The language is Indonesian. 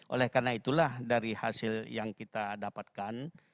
oleh karena itulah dari hasil yang kita dapatkan